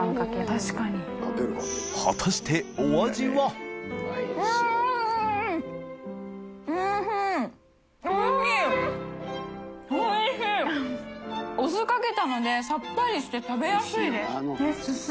複截腺邸お酢かけたのでさっぱりして食べやすいです。